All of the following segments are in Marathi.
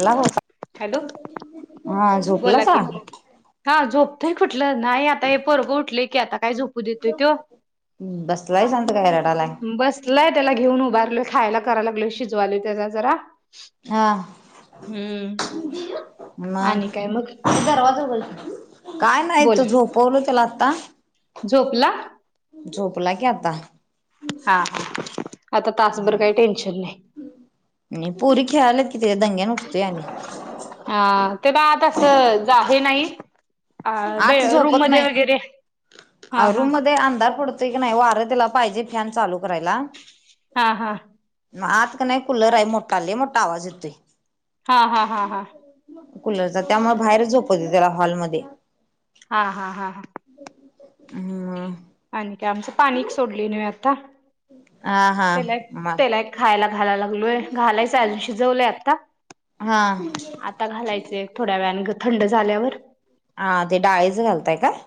एला हो का? हॅलो का हा बोला झोपलासा की हा झोपतंय कुठलं नाही आता हे परगं उठलेय की आता काय झोपत. बसलाय शांत त का रडालाय. लय त्याला घेऊन उभारलोय खायला करायला लागलोय शिजवालोय त्याला जरा हा हम्म. मग आणि काय दरवाजा उघल की काही नाही त बोला झोपवलो त्याला आता झोपला. झोपला की आता हा. आता तासभर काही टेन्शन नाही आणि पोरी खेळाल्यात की, त्यांच्या दंग्याने उठतोय आणि. अ तेजा आत असं हे नाही. अ बे आत रूम झोपत मध्ये नाही, वगैरे हा हा रुममध्ये अंधार पडतोय कनयं वार त्याला पाहिजे, फॅन चालू करायला. हा हा. आत कनय कुलर आहे, मोठा लय मोठा आवाज येतोय. हा हा हा हा हा कुलरचा त्यामुळे बाहेरच झोपवतोय, त्याला हॉल मध्ये. हा हा हा हा. हम, आणि काय आमचं पाणी एक सोडलय नव्ह आता. हा हा त्याला एक म त्याला एक खायला घायला लागलोय, घालायचं अजून शिजवलंय आत. [unintelligible] आता घालायचे थोड्या वेळाने थंड झाल्यावर. हा ते डाळीच घालताय काय?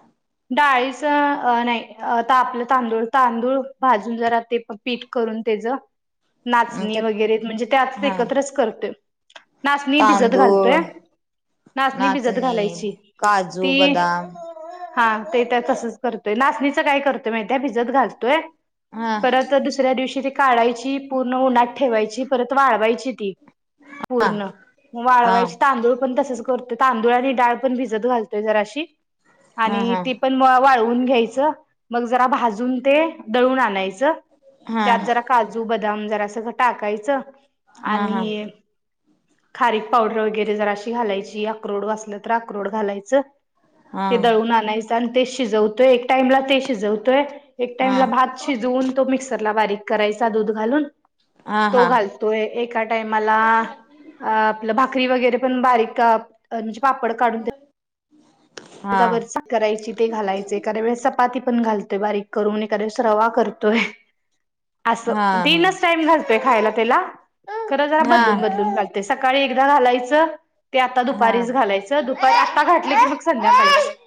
डाळीच नाही अ ता -आपलं तांदूळ तांदूळ भाजून जरा, ते पीठ करून त्याच ते नाचणी वगैरे म्हणजे त्यात हा एकत्रच करतोय. नाचणी भिजत तांदूळ घालतोय, नाचणी भिजत घालायची काजू ती बदाम हा ते त्या तसच करतोय, नाचणीचं काय करतोय माहितीय भिजत घालतोय हा परत दुसऱ्या दिवशी ते काढायची पूर्ण उन्हात ठेवायची परत वाळवायची. ते ती पुर्ण हा वाळवायची तांदूळ पण तसच कर तर तांदूळ आणि डाळ पण भिजत घालतोय, जराशी. हा आणि हा ती पण म वाळवून घ्यायचं मग, जरा भाजून ते दळून आणायचं, हा त्यात जरा काजू, बदाम जरा सगळं टाकायचं. हा हा हा आणि खारीक पावडर वगैरे जराशी, घालायची आक्रोड असलं तर अक्रोड घालायचं. हा ते दळून आणायचं, आणि ते शिजवतोय एक टाइमला ते शिजवतोय एक हा टाइमला भात शिजवून तो मिक्सर ला बारीक करायचा दूध घालून. हा हा तो हा घालतोय एका टाइमाला अ आपलं भाकरी वगैरे, पण बारीक म्हणजे पापड काढून तेन. [inaudible] हा तेच्या वर चा करायची ते घालायच एखाद्या वेळेस चपाती पण, घालतोय बारीक करून एखाद वेळेस रवा करतोय. असं तीनचं टाइम घालतोय खायला, त्याला खर जरा हा बदलून बदलून घालतोय. ते सकाळी एकदा घालायचं, ते आता हा दुपारीच घालायचं दुपारी आता घातल की मग संध्याकाळीचं.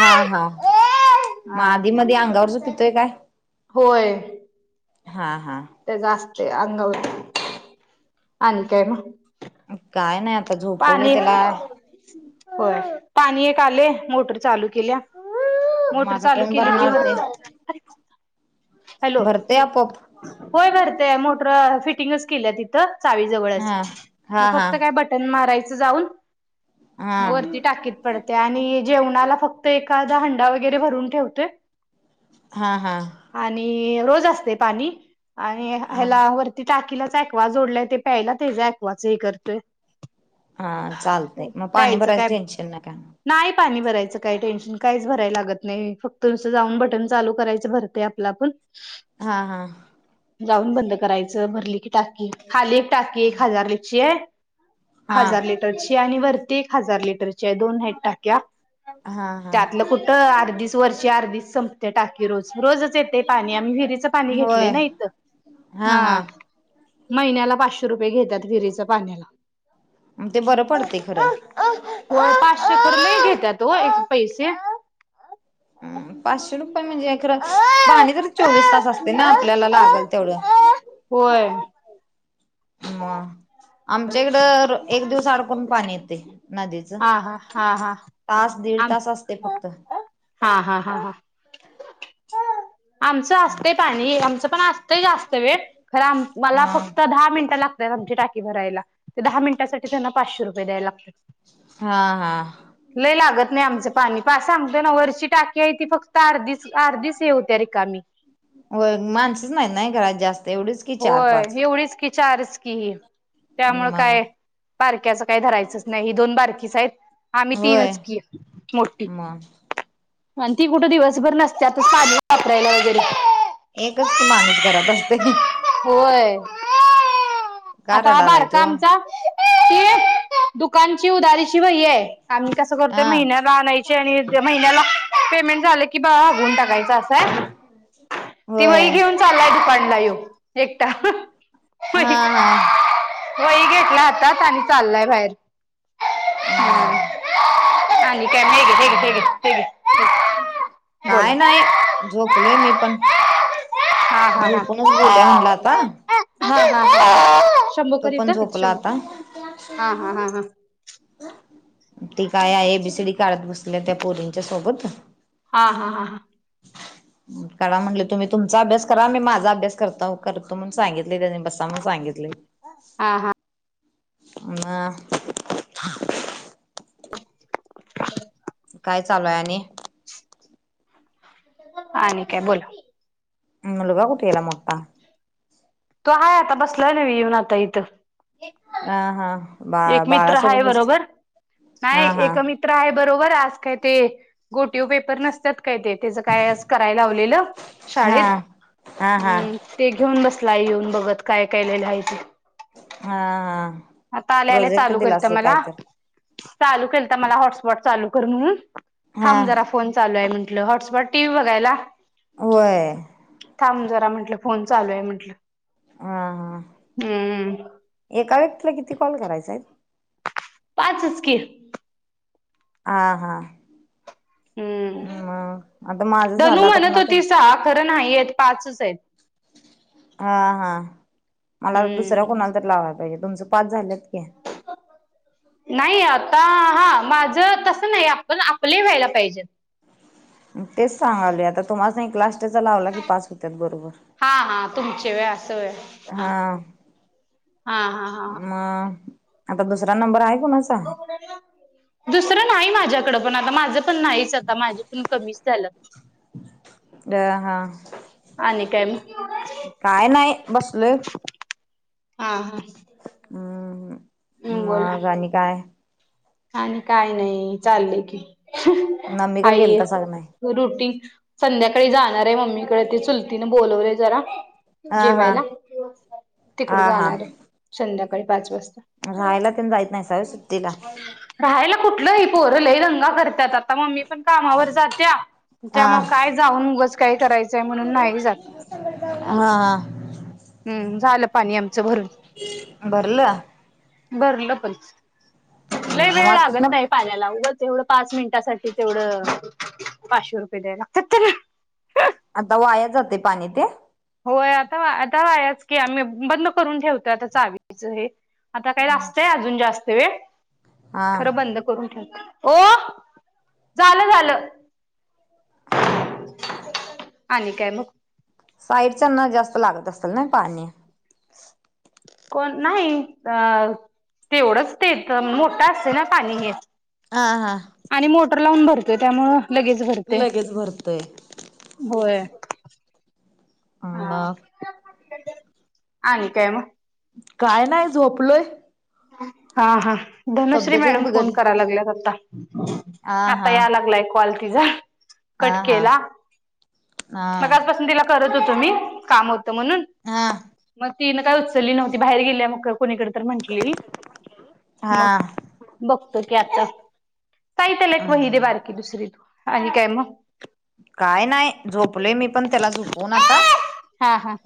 हा हा, मग हा आधी मधी अंगावरच पितोय काय? होय. हा हा. ते जास्त अंगावरती आणि काय मग? काय नाही, आता झोपवलय पाणी त्याला. होय, पाणी एक आलय मोटर चालू केल्या. [unintelligible] मग मोटर आता चालू कोण केली की भरणार ते मग हॅलो! भरतय आपोआप होय भरतय मोटर फिटिंगच केल्या तिथं चावी जवळच हा हा मग, हा फक्त काय बटन मारायचं जाऊन. हा वरती टाकीत पडतय, आणि जेवणाला फक्त एखादा हंडा वगैरे भरून ठेवतोय. हा हा. आणि रोज असतय, पाणी आणि हा ह्याला वरती ती टाकीलाच अँक्वा जोडलाय, ते प्यायला तेज अँक्वाच हे करतोय. हा, चालतंय मग पाणी प्यायचं भरायचं काय टेन्शन नाही काय? नाही पाणी भरायचं काही टेन्शन काहीच भरायला लागत नाही फक्त नुसं जाऊन बटन चालू करायचं भरते आपला आपण [inaudible] हा हा जाऊन बंद करायचं भरली की टाकी खाली एक टाकी एक हजारची आहे हा हजार हा लिटरची आणि वरती एक हजार लिटरची आहे दोन ह टाक्या हा हा त्यातलं कुठ अर्धीस वर्ष अर्धीच संपते टाकी रोज रोजच येते पाणी आम्ही विहिरीच पाणी घेतले होय ना इथ हा महिन्याला पाचशे रुपये घेतात विहिरीच पाण्याला मग ते बरं पडते खरं होय पाचशे खर लई घेतात होय पैसे हम पाचशे रुपये म्हणजे खरं पाणी तर चोवीस तास असते ना आपल्याला लागेल तेवढं होय मग आमच्याकडं एक दिवस अडकून पाणी येते. नदीच हा हा हा हा तास दीड आम तास असते फक्त हा हा हा हा आमचं असतंय पाणी आमचं पण असतंय जास्त वेळ खर मला हा फक्त दहा मिनिटं लागतात आमची टाकी भरायला. ते दहा मिनिटासाठी त्यांना पाचशे रुपये द्यायला लागतात. हा हा लय लागत नाही आमचं पाणी पा सांगतोय ना वरची टाकी आहे ती फक्त अर्धीच आर्धीच ये होत्या रिकामी. होय माणसच नाहीत नाही घरात जास्त एवढीच की चार होय पाच एवढीच की चारच की त्यामुळं मग काय बारक्याच काही धरायचंच नाही ही दोन बारकीच आहेत आम्ही होय तीनच की मोठी मग आणि ती कुठं दिवसभर नसत्यात पाणी वापरायला वगैरे एकच की माणूस घरात असते. होय का आता हा रडालाय बारका तो आमचा की दुकानची उधारीची वही आहे आम्ही कसं करतोय हा महिन्यात आणायचे आणि महिन्याला पेमेंट झाले की कि भागवून टाकायच असाय ती होय वही घेऊन चाललाय दुकानला ह्यो एकटा व हा हा वही घेतला आातात आणि चाललाय बाहेर हा हम्म ह आणि काय मग ह हे म गे हे गे काय नाही झोपलोय मी पण हा हा झोपूनच हा बोलूया म्हणलं आता ह शंभ तो पण करीता येत झोपला शंभ आता हा हा हा हा ती काय आहे एबीसीडी काढत बसले त्या पोरींच्या सोबत [unintelligible] [inaudible] हा हा हा हां काढा म्हटले तुम्ही तुमचा अभ्यास करा मी माझा अभ्यास करता करतो म्हण सांगितले त्यानी बसा म्हणून सांगितले. हा हा आ काय चालूय आणि आणि काय बोला मूलगा कुठे गेला मोठा? तो आहे आता बसला ना म येऊन आता इथं आ हा बा एक मित्र हाय बाळासोबत बस बरोबर नाही हा हा एकमित्र य बरोबर आज काय ते गोटीव पेपर नसतात काय ते त्याच काय करायला लावलेलं हा शाळेत हा हा हा हम् ते घेऊन बसला येऊन बघत काय काय केलेला आहे ती हा हा आता आले आले प्रोजेक्ट चालू दिला करत असेल मला काय तर चालू केलता मला हॉटस्पॉट चालू कर म्हणून, हा थांब जरा फोन चालू आहे म्हण हॉटस्पॉट टी व्ही बघायला. होय. थांब जरा म्हटलं, फोन चालू आहे म्हटलं. हा हा. एका व्यक्तीला किती कॉल करायचाय? पाचच की. हा. हा. हम्म हम, आता माझ धनू झालं आता म्हणत कुणाला तरं होती सहा खरं नाही आहेत पाचच आहेत. हा हा. मला हम्म. दुसऱ्या कोणाला तर लावाय पाहिजे तुमचं पाच झाल्यात की. नाही आता हा माझ तसं नाही आपण आपलंही व्हायला पाहिजेत. तेच सांगायलोय आता तुम्हाला एक लास्टचा लावला की पाच होत्यात बरोबर. हा हा तुमचे होय असं होय. हा. हा हा. मग आता दुसरा नंबर आहे कुणाचा? दुसरं नाही माझ्याकड पण आता माझं पण नाही. आता माझे पण कमीच झालं अ हा आणि काय मगं? काय नाही बसलोय. हा हा. हम्! हम्म बोला मगं आणि काय. आणि काय नाही चाललंय की, मम्मीकडे हाय हे. गेलतासा का नाही रुटीन, संध्याकाळी जाणार आहे मम्मीकडे ते चुलतीने बोलवलेय जरा. हा हा जेवायला, हा तिकड हा जाणार आहे संध्याकाळी पाच वाजता. राहायला तेन जायत नाहीसा व्हय सुट्टीला? राहायला कुठलं ही पोर लंय दंगा करतात. आता मम्मी पण कामावर जात्या हा त्यामुळे काय जाऊन उगाच काही करायचंय म्हणून नाही जात. हा. हा हम्म! झालं पाणी आमचं भरून. भरलं भरलं पण. लय वेळ मग लागत तिथन नाही. पाण्याला उगच तेवढ पाच मिनिटासाठी तेवढं पाचशे रुपये द्याय लागतात त्याला. आता वाया जातय पाणी ते? होय आता आता वायाच की आम्ही बंद करून ठेवतोय आता चावीच हे. आता काय [unintelligible] अजून जास्त वेळ. हां. खरं बंद करून ठेवतोय. ओ झालं झालं. [inaudible] आणि काय मग? साईडच्याना जास्त लागत असल ना पाणी. कोण नाही अ तेवढंच ते मोठं असतय ना पाणी हे. हा हा. आणि मोटर लावून भरतोय त्यामुळं लगेच भरते. लगेच भरतय होय. हा, मग आणि काय मगं? काय नाही झोपलोय. हा हा, धनश्री तब्येत एक मॅडम फोन बिघडली करा लागल्यात आता. हा आता हा या लागलाय कॉल तिचा. हा कट हा केला, हा मगासपासून तिला करत होतो मी काम होतं म्हणून हा. मग ती काय उचलली नव्हती बाहेर गेल्या मग कुणीकडे तर म्हटलेली. हा मग बघतो की आता, ताई त्याला एक वही दे हम्म बारकी. दुसरी तू, आणि काय मगं? काय नाही झोपलय मी पण त्याला झोपवून आता. हा हा.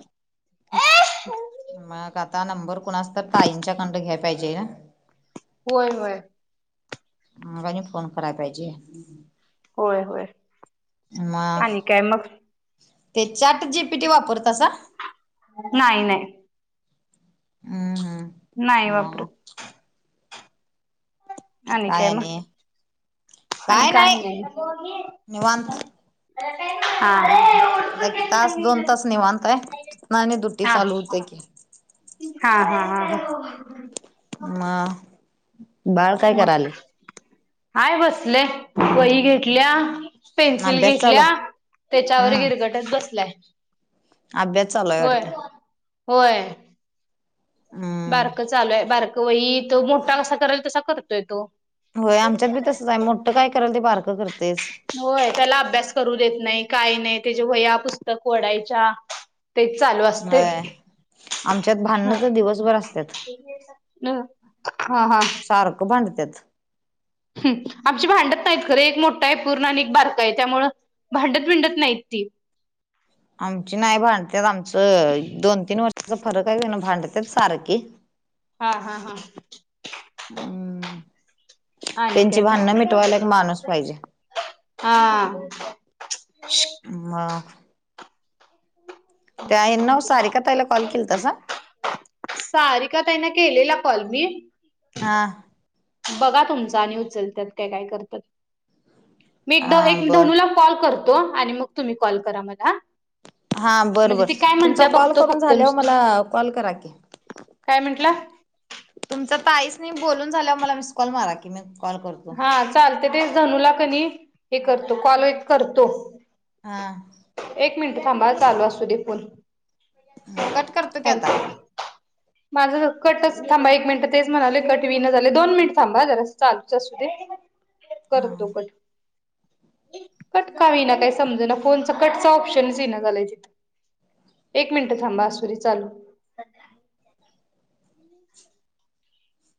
मग आता नंबर कुणाच तर ताईंच्या कडणं घ्याय पाहिजे. होय होय. मग आणि फोन कराय पाहिजे. होय होय मगं आणि काय मग ते चाट जीपीटी वापरतसा नाही नाही हम् हम् नाही वापरत आणि काय मग आणि काय नाही निवांत हा एक तास दोन तास निवनताय आणि ड्युटी हा. चालू होते की हा हा हा हा म मग हाय बसले वही घेतल्या पेन्सिल अभ्यास चालू घेतल्या आहे त्याच्यावर हम्म गिरगटत बसल्याय अभ्यास चालू आहे होय वाटतं होय हम्म बारक चालूय बारक वही त मोठा कसा कराल तसा करतोय तो होय आमच्यात बी तसंच आहे मोठं काय कराल ते पारकं करतेस होय त्याला अभ्यास करू देत नाही काही नाही त्याचे वया पुस्तक वढायच्या तेच चालू असते होय आमच्यात ह भांडणं तर दिवसभर असत्यात हम हा हा सारक बांडतात आमची भांडत नाहीत खरे एक मोठा आहे पूर्ण आणि एक बारका आहे त्यामुळं भांडत भिंडत नाहीत ती आमची नाही भांडत आमचं दोन तीन वर्षाचा फरक आहे का ना भांडत सारखी हा हा हा हम् आणि त्यांची काय भाननं मग मिटवायला एक माणूस पाहिजे हा म ते आहे हम्म. नऊ सारीका ताई ला कॉल केलतासा सारीका ताई ना केलेला कॉल मी हा बघा तुमचा आणि उचलतात काय काय करतात मी एकदा हा एक बर धनूला कॉल करतो आणि मग तुम्ही कॉल करा मला हा बरं म्हणजे बर ती काय तुमचा म्हणत्या कॉल बघतो करून फक्त झाले हो नुसतं मला कॉल करा की काय म्हंटलं तुमच ताईसनी बोलून झाल्यावर मला मिसकॉल मारा की म हा चालते तेच धनूला कनी हे करतो कॉल करतो हा एक मिनिट थांबाा चालू असू दे फोन कट करतो की आता ह माझं कटच थांबा एक मिनिट तेच म्हणाले कट विन झाले दोन मिनिट थांबा जरा चालू हा करतो कट कट कावी ना काही समज ना फोनच कटच ऑप्शनच ये ना झालाय तिथं एक मिनिटं थांबा असुदे चालू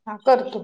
हा करतो